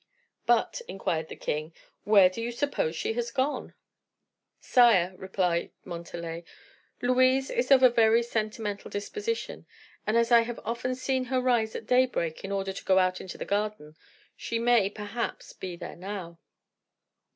"But," inquired the king, "where do you suppose she is gone?" "Sire," replied Montalais, "Louise is of a very sentimental disposition, and as I have often seen her rise at daybreak in order to go out into the garden, she may, perhaps, be there now."